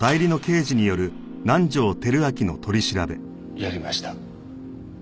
やりました。